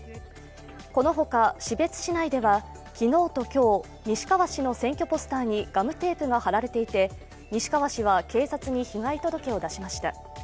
このほか士別市内では昨日と今日、西川氏の選挙ポスターにガムテープが貼られていて、西川氏は警察に被害届を出しました。